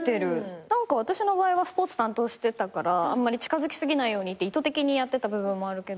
私の場合はスポーツ担当してたからあんまり近づきすぎないようにって意図的にやってた部分もあるけど。